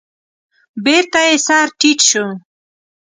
بېرته يې سر تيټ شو.